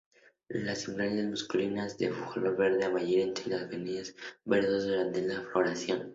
Las inflorescencias masculinas de color verde amarillento y las femeninas verdosas durante la floración.